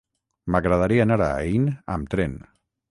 M'agradaria anar a Aín amb tren.